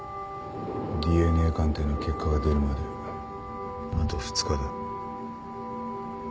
ＤＮＡ鑑定の結果が出るまであと２日だ。